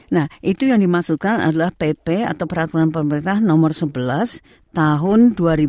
nah itu yang dimasukkan adalah pp atau peraturan pemerintah nomor sebelas tahun dua ribu dua puluh